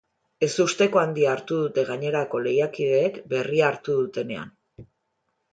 Ezusteko handia hartu dute gainerako lehiakideek berria hartu dutenean.